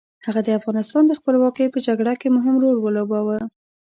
هغه د افغانستان د خپلواکۍ په جګړه کې مهم رول ولوباوه.